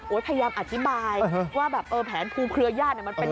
โอ้ยพยายามอธิบายว่าแผนภูเครือญาติมันเป็นอย่างไร